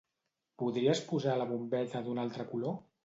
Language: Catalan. Podries posar la bombeta d'un altre color?